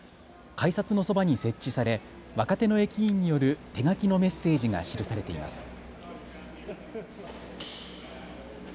改札のそばに設置され若手の駅員による手書きのメッセージが記されています。